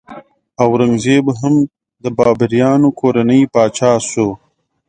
اورنګ زیب هم د بابریانو کورنۍ پاچا شو.